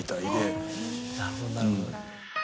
なるほどなるほど。